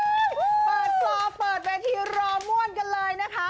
เปิดกลอเปิดเวทีรอบ่วนกันเลยนะคะ